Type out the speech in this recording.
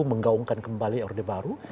menggaungkan kembali orde baru